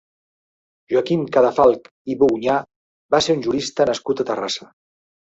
Joaquim Cadafalch i Bugunyà va ser un jurista nascut a Terrassa.